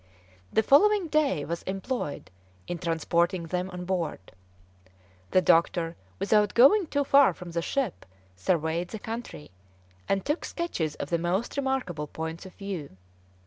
The following day was employed in transporting them on board. The doctor, without going too far from the ship, surveyed the country, and took sketches of the most remarkable points of view.